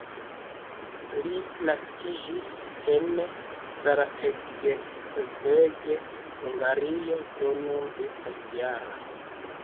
Li naskiĝis en Zalaegerszeg, Hungario, do nun estas -jara.